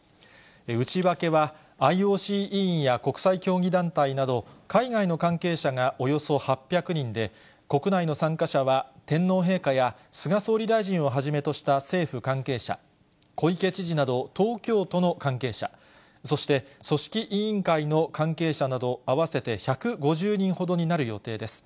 内訳は、ＩＯＣ委員や国際競技団体など、海外の関係者がおよそ８００人で、国内の参加者は、天皇陛下や、菅総理大臣をはじめとした政府関係者、小池知事など東京都の関係者、そして組織委員会の関係者など合わせて１５０人ほどになる予定です。